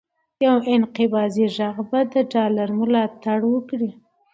یو انقباضي غږ به د ډالر ملاتړ وکړي،